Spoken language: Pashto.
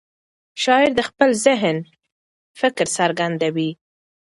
شاعر د خپل ذهن فکر څرګندوي.